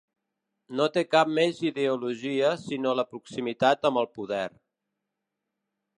No té cap més ideologia sinó la proximitat amb el poder.